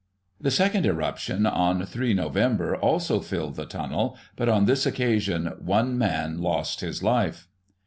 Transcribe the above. The second irruption, on 3 Nov., also filled the Tunnel, but on this occasion one man lost his life.